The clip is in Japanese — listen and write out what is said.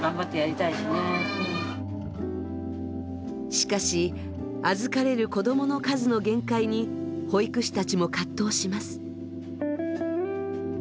しかし預かれる子供の数の限界に保育士たちも葛藤します。